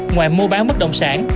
ngoài mua bán bất đồng sản